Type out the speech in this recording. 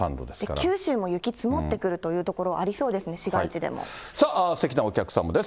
九州も雪積もってくるという所ありそうですね、すてきなお客様です。